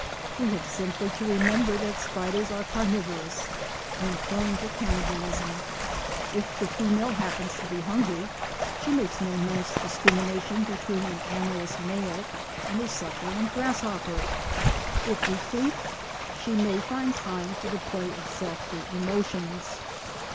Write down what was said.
We have simply to remember that spiders are carnivorous and prone to cannibalism. If the female happens to be hungry she makes no nice discrimination between an amorous male and a succulent grass hopper; if replete, she may find time for the play of softer emotions.